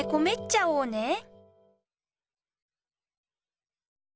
めっちゃおうね。